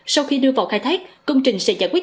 sau khi đưa vào khai thác công trình sẽ giải quyết